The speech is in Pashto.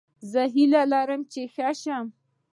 زه هیله لرم چې ښه شم